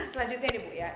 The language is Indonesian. selanjutnya nih bu ya